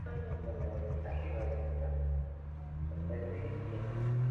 ¿ Todo el mundo me oye? ¿ arriba del estante, me pueden oír? bien.